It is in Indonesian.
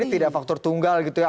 jadi tidak faktor tunggal gitu ya